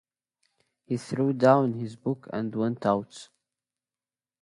He threw down his book and went out.